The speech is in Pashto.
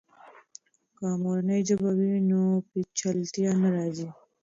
که مورنۍ ژبه وي، نو پیچلتیا نه راځي.